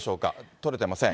捕れてません。